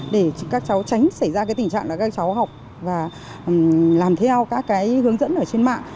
để các cháu tránh xảy ra cái tình trạng là các cháu học và làm theo các cái hướng dẫn ở trên mạng